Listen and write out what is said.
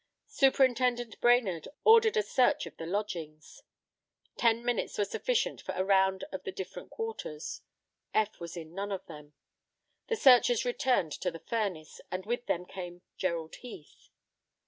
Superintendent Brainerd ordered a search of the lodgings. Ten minutes were sufficient for a round of the different quarters. Eph was in none of them. The searchers returned to the furnace, and with them came Gerald Heath.